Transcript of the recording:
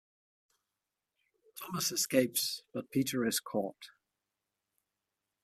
Thomas escapes, but Peter is caught.